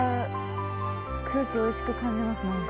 空気おいしく感じます何か。